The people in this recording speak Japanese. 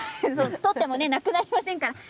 採ってもなくなりませんからね。